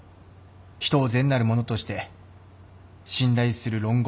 人を善なるものとして信頼する論語。